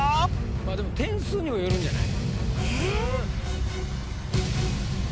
でも点数にもよるんじゃない？